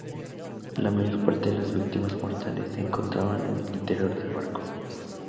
La mayor parte de las víctimas mortales se encontraban en el interior del barco.